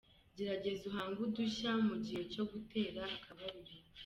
Gerageza uhange udushya mu gihe cyo gutera akabariro.